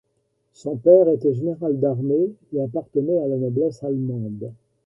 Son père était général d'armée et appartenait à la noblesse allemande.